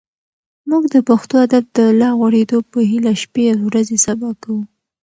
موږ د پښتو ادب د لا غوړېدو په هیله شپې او ورځې سبا کوو.